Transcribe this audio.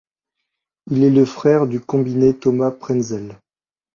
Il est le frère du combiné Thomas Prenzel.